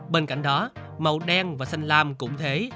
bên cạnh đó màu đen và xanh lam cũng thế